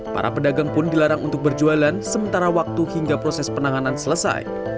para pedagang pun dilarang untuk berjualan sementara waktu hingga proses penanganan selesai